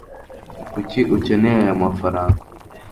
kuki ukeneye aya mafaranga